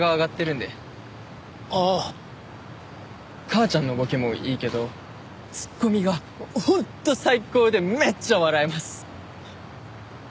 母ちゃんのボケもいいけどツッコミが本当最高でめっちゃ笑えます。